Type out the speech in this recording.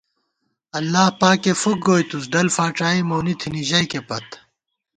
اللہ پاکےفُکہ گُتېس، ڈل فاڄائی مونی تھنی ژئیکےپت